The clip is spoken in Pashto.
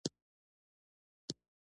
تنور د پخوانیو وختونو ارزښتناکه وسیله ده